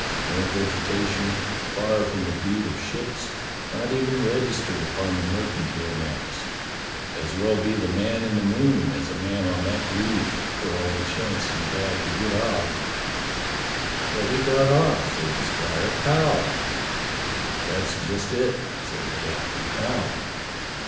No vegetation; far from the beat of ships; not even registered upon the mercantile maps. As well be the man in the moon as a man on that reef for all the chance you'd have to get off." " But he got off," said the squire. " How? " "That's just it," said the captain, "how?